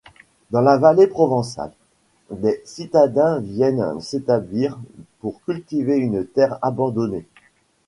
Dans une vallée provençale, des citadins viennent s'établir pour cultiver une terre abandonnée.